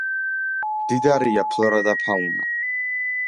მდიდარია ფლორა და ფაუნა.